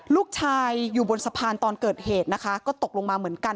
ลูกชายอยู่บนสะพานตอนเกิดเหตุนะคะก็ตกลงมาเหมือนกัน